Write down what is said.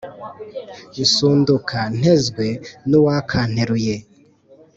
Nsunduka ntezwe n’uwakanteruye